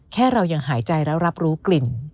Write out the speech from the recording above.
เรายังหายใจแล้วรับรู้กลิ่น